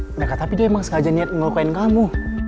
nggak kata tapi dia emang sengaja niat ngelukain kamu